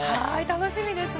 楽しみですね。